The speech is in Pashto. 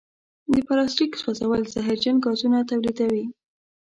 د پلاسټیک سوځول زهرجن ګازونه تولیدوي.